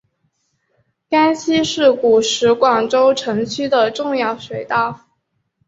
甘溪是古时广州城区的重要水道。